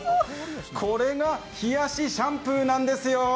これが冷やしシャンプーなんですよ。